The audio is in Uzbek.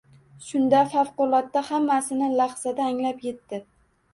Shunda favqulodda hammasini lahzada anglab yetdi